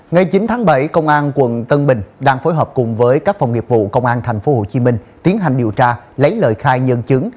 ngày chín tháng bảy công an quận tân bình đang phối hợp cùng với các phòng nghiệp vụ công an tp hcm tiến hành điều tra lấy lời khai nhân chứng